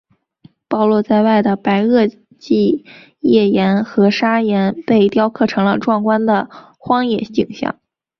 暴露在外的白垩纪页岩和砂岩被雕刻成了壮观的荒野景象。